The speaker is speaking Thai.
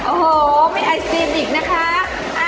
โอ้โหมีไอศครีมอีกนะคะ